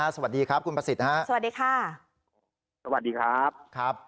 สวัสดีครับคุณประสิทธิ์ฮะสวัสดีค่ะสวัสดีครับครับ